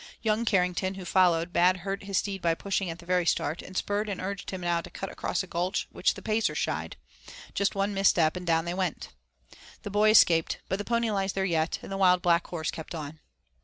Young Carrington, who followed, bad hurt his steed by pushing at the very start, and spurred and urged him now to cut across a gulch at which the Pacer shied. Just one misstep and down they went. The boy escaped, but the pony lies there yet, and the wild Black Horse kept on.